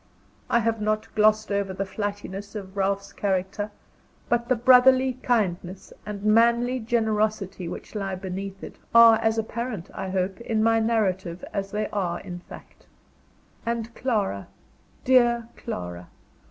I have not glossed over the flightiness of Ralph's character; but the brotherly kindness and manly generosity which lie beneath it, are as apparent, I hope, in my narrative as they are in fact. And Clara, dear Clara!